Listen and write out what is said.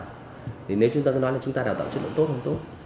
thì nếu chúng ta cứ nói là chúng ta đào tạo chất lượng tốt không tốt